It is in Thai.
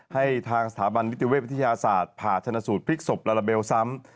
ให้ทางสถาบันนิติเวชวิทยาศาสตร์ผ่าชนสูตรพลิกศพลาลาเบลซ้ำ